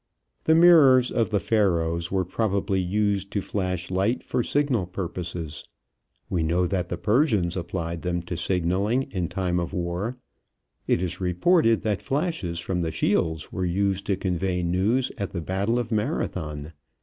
The mirrors of the Pharaohs were probably used to flash light for signal purposes. We know that the Persians applied them to signaling in time of war. It is reported that flashes from the shields were used to convey news at the battle of Marathon.